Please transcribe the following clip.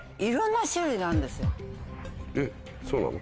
えっそうなの？